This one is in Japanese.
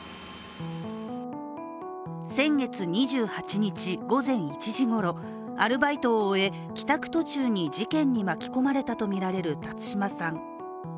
先月２８日、午前１時ごろアルバイトを終え、帰宅途中に事件に巻き込まれたとみられる辰島さん。